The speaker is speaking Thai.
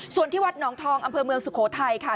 ส่วนที่วัดหนองทองอำเภอเมืองสุโขทัยค่ะ